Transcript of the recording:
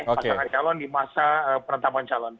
pasangan calon di masa penetapan calon